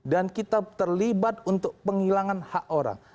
dan kita terlibat untuk penghilangan hak orang